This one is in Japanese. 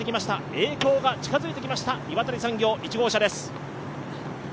栄光が近づいてきました、岩谷産業１号車です。